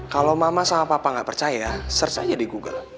kalau mama sama papa nggak percaya ya search aja di google